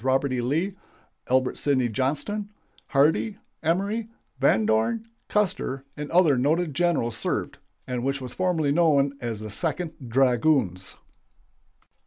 Robert E. Lee, Albert Sidney Johnston, Hardee, Emory, Van Dorn, Custer, and other noted generals served, and which was formerly known as the Second Dragoons.